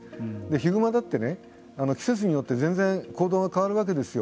ヒグマだって季節によって全然行動が変わるわけですよ。